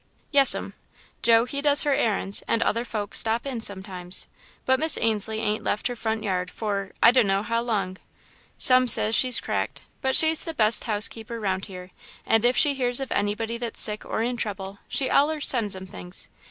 "Yes'm. Joe, he does her errands and other folks stops in sometimes, but Miss Ainslie ain't left her front yard for I d' know how long. Some says she's cracked, but she's the best housekeeper round here, and if she hears of anybody that's sick or in trouble, she allers sends'em things.